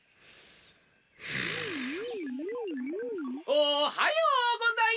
おはようございます！